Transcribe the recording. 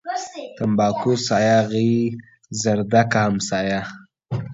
تنباکو سايه غيي ، زردکه همسايه.